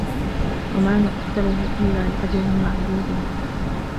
وَمَا نُؤَخِّرُهُ إِلَّا لِأَجَلٍ مَعْدُودٍ